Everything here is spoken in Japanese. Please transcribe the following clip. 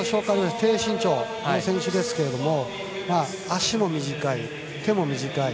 低身長の選手ですけど足も短い、手も短い。